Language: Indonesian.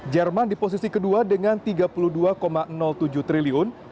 jerman di posisi kedua dengan rp tiga puluh dua tujuh triliun